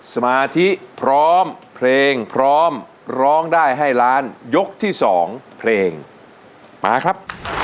สมาธิพร้อมเพลงพร้อมร้องได้ให้ล้านยกที่สองเพลงมาครับ